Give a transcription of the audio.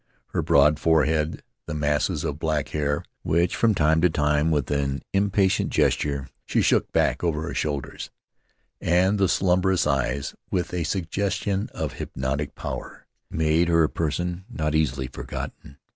Her broad forehead, the masses of black hair which from time to time, with an impatient gesture, she shook back over her shoulders, and the slumberous Marooned on Mataora eyes, with a suggestion of hypnotic power, made her a person not easily forgotten.